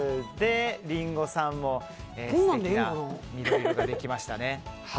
リンゴさんも素敵な色ができましたね。